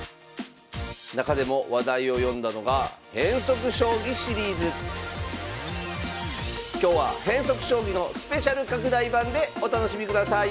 中でも話題を呼んだのが今日は変則将棋のスペシャル拡大版でお楽しみください！